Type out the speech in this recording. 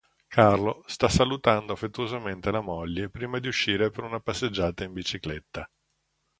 Carlo sta salutando affettuosamente la moglie prima di uscire per una passeggiata in bicicletta.